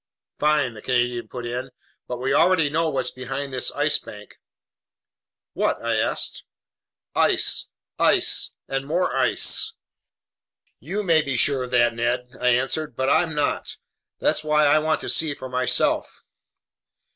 "Fine!" the Canadian put in. "But we already know what's behind this Ice Bank." "What?" I asked. "Ice, ice, and more ice." "You may be sure of that, Ned," I answered, "but I'm not. That's why I want to see for myself."